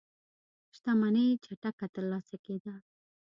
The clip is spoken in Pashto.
شتمنۍ چټکه ترلاسه کېده.